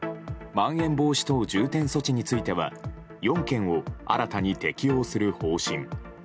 まん延防止等重点措置については４県を新たに適用する方針。